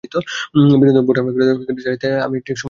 বিনোদ-বোঠান, ভোরের বেলায় ছাড়িতে হইবে, আমি ঠিক সময়ে আসিয়া হাজির হইব।